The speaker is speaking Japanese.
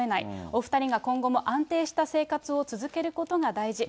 お２人が今後も安定した生活を続けることが大事。